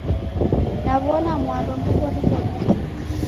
Naw'ona mwarwa nguw'o righokie